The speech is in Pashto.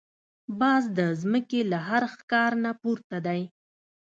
باز د زمکې له هر ښکار نه پورته دی